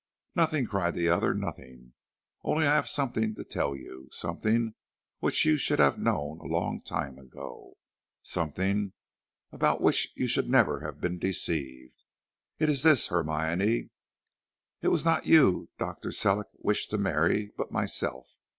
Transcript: "Nothing," cried the other, "nothing; only I have something to tell you something which you should have known a long time ago something about which you should never have been deceived. It is this, Hermione. It was not you Dr. Sellick wished to marry, but myself."